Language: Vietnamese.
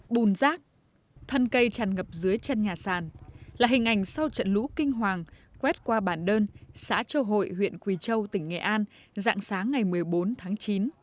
bùn rác thân cây tràn ngập dưới chân nhà sàn là hình ảnh sau trận lũ kinh hoàng quét qua bản đơn xã châu hội huyện quỳ châu tỉnh nghệ an dạng sáng ngày một mươi bốn tháng chín